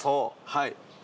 はい。